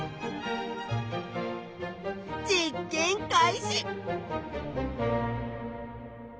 実験開始！